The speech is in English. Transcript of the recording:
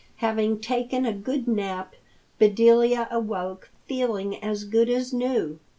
Having taken a good nap, Bedelia awoke feeling as good as new.